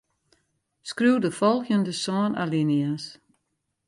Skriuw de folgjende sân alinea's.